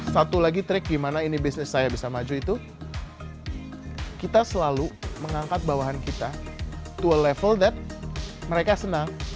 satu lagi trik gimana ini bisnis saya bisa maju itu kita selalu mengangkat bawahan kita to a level that mereka senang